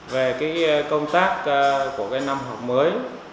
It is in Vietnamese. về công tác của năm học mới